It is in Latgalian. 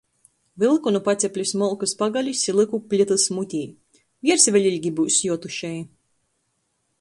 Vylku nu paceplis molkys pagalis i lyku plitys mutē. Viersi vēļ ilgi byus juotušej.